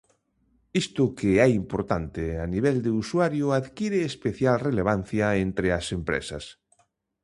Isto que é importante a nivel de usuario, adquire especial relevancia entre as empresas.